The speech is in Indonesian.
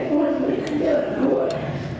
tuhan memberikan jalan keluar